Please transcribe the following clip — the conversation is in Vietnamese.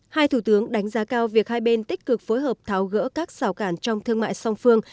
hai thủ tướng đánh giá cao việc hai bên tích cực phối hợp tháo gỡ các xào cản trong thương mại song phương